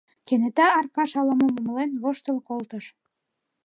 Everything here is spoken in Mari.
Кенета Аркаш ала-мом умылен воштыл колтыш.